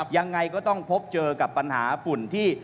ยังไงก็ต้องพบเจอกับปัญหาฝุ่นที่